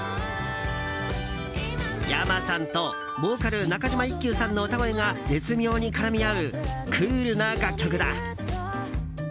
ｙａｍａさんと、ボーカル中嶋イッキュウさんの歌声が絶妙に絡み合うクールな楽曲だ。